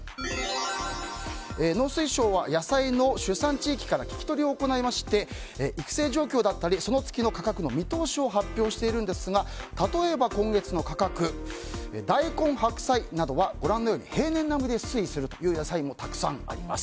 農水省は野菜の主産地域から聞き取りを行いまして育成状況だったりその月の価格の見通しを発表しているんですが例えば、今月の価格大根、白菜などはご覧のように平年並みで推移する野菜もたくさんあります。